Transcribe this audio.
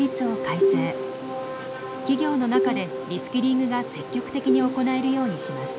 企業の中でリスキリングが積極的に行えるようにします。